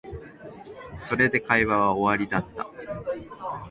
それで会話は終わりだった